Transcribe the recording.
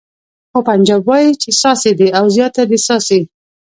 خو پنجاب وایي چې څاڅي دې او زیاته دې څاڅي.